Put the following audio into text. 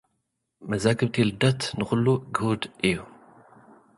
መዛግብቲ ልደት፡ ንዅሉ ግሁድ እዩ።